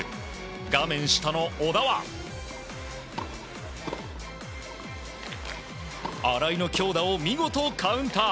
画面下の小田は荒井の強打を見事カウンター。